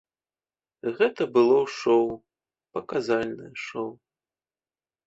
Гэта было шоу, паказальнае шоу.